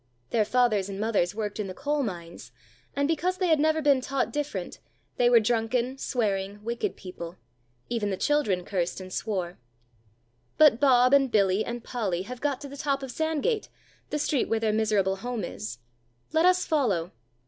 Their fathers and mothers worked in the coal mines, and because they had never been taught different, they were drunken, swearing, wicked people; even the children cursed and swore. But Bob and Billy and Polly have got to the top of Sandgate, the street where their miserable home is; let us follow.